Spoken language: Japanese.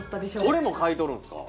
これも買い取るんですか？